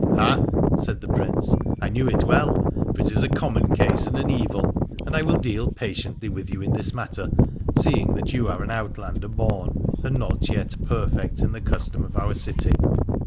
Ha! said the Prince, I knew it well, for it is a common case and an evil. And I will deal patiently with you in this matter, seeing that you are an out lander born and not yet perfect in the custom of our city.